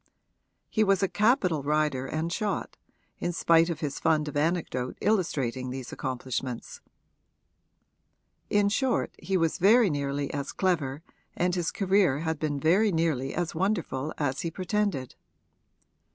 He was a capital rider and shot, in spite of his fund of anecdote illustrating these accomplishments: in short he was very nearly as clever and his career had been very nearly as wonderful as he pretended.